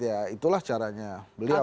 ya itulah caranya beliau